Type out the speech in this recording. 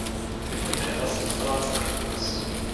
Mimo jiné vlastní Palác Akropolis.